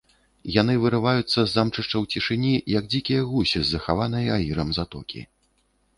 Яны вырываюцца з замчышчаў цішыні, як дзікія гусі з захаванай аірам затокі.